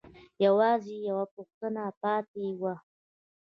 يوازې يوه پوښتنه پاتې وه.